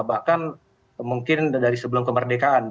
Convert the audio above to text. bahkan mungkin dari sebelum kemerdekaan